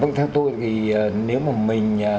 vâng theo tôi thì nếu mà mình